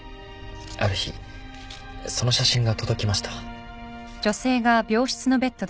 ある日その写真が届きました。